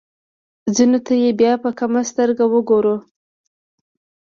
ځینو ته یې بیا په کمه سترګه ګورو.